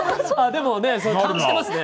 でもね感じてますね。